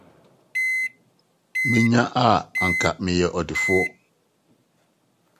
Me yam a anka meyɛ ɔdefo.